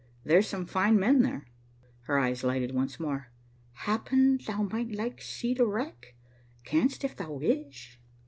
"There's some fine men there." Her eyes lighted once more. "Happen thou might like to see wreck? Canst, if thou wish."